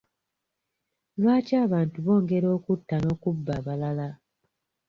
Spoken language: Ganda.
Lwaki abantu bongera okutta n'okubba abalala?